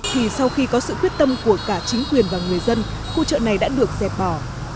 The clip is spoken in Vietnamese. thì sau khi có sự quyết tâm của cả chính quyền và người dân khu chợ này đã được dẹp bỏ